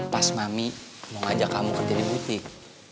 pas mami mau ngajak kamu kerja di butik